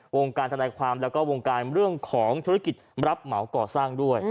วงการทนายความแล้วก็วงการเรื่องของธุรกิจรับเหมาก่อสร้างด้วย